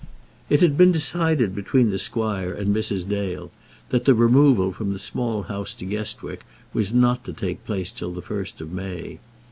It had been decided between the squire and Mrs. Dale that the removal from the Small House to Guestwick was not to take place till the first of May.